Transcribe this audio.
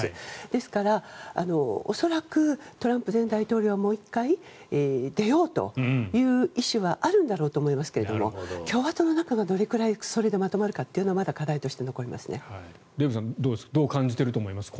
ですから恐らくトランプ前大統領はもう１回出ようという意思はあるんだろうと思いますが共和党の中がどれくらいそれでまとまるかというのがまだ課題として残りますね。